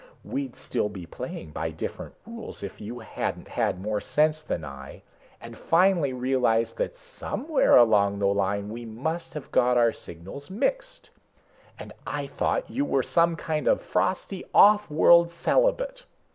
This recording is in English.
We'd still be playing by different rules if you hadn't had more sense than I, and finally realized that somewhere along the line we must have got our signals mixed. And I thought you were some kind of frosty offworld celibate."